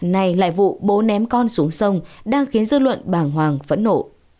nay lại vụ bố ném con xuống sông đang khiến dư luận bàng hoàng phẫn nộ